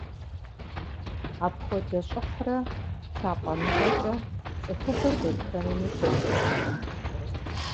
Апхуэдэ щӀыхьрэ лъапӀэныгъэкӀэ цӀыхубэр дэтхэнэми хуэупсэркъым.